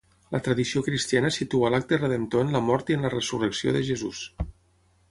La tradició cristiana situa l'acte redemptor en la mort i en la resurrecció de Jesús.